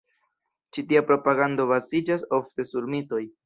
Ĉi tia propagando baziĝas ofte sur mitoj.